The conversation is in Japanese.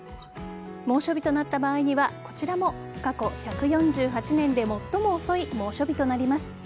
猛暑日となった場合にはこちらも過去１４８年で最も遅い猛暑日となります。